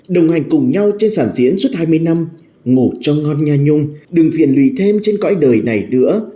đồng hành cùng nhau trên sản diễn suốt hai mươi năm ngủ trong ngon nha nhung đừng phiền lùi thêm trên cõi đời này nữa